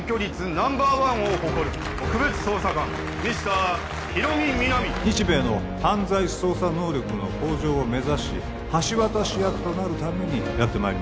ナンバーワンを誇る特別捜査官ミスターヒロミ・ミナミ日米の犯罪捜査能力の向上を目指し橋渡し役となるためにやってまいりました